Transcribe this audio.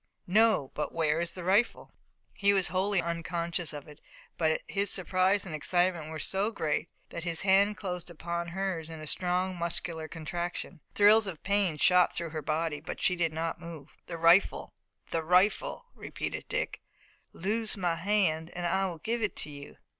"No, but where is the rifle?" He was wholly unconscious of it, but his surprise and excitement were so great that his hand closed upon hers in a strong muscular contraction. Thrills of pain shot through her body, but she did not move. "The rifle! The rifle!" repeated Dick. "Loose my hand, and I will give it to you."